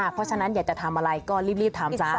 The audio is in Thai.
เพราะฉะนั้นอยากจะทำอะไรก็รีบถามจ๊ะ